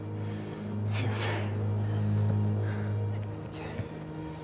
すいません。